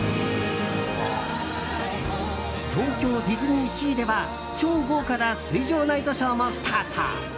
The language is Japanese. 東京ディズニーシーでは超豪華な水上ナイトショーもスタート！